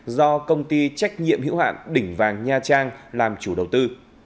do công ty trách nhiệm hữu hạn đỉnh vàng nha trang làm chủ đầu tư